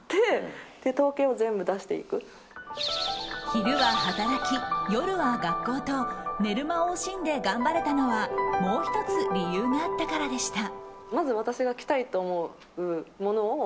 昼は働き、夜は学校と寝る間を惜しんで頑張れたのはもう１つ理由があったからでした。